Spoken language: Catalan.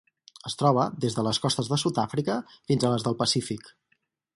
Es troba des de les costes de Sud-àfrica fins a les del Pacífic.